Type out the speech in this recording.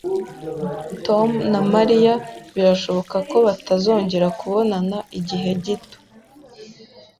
Tom na Mariya birashoboka ko batazongera kubonana igihe gito